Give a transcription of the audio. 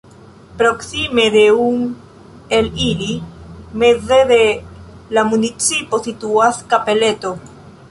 Proksime de un el ili, meze de la municipo, situas kapeleto.